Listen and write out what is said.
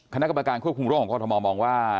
คณะกรรมการควบคุมโลกของควรธรมอล์มองว่า